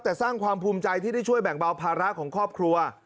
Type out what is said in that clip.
แต่สร้างความภูมิใจที่ได้ช่วยแบ่งเบาภาระของครอบครัว